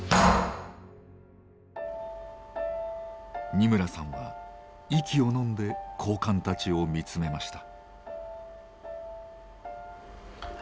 二村さんは息をのんで高官たちを見つめました。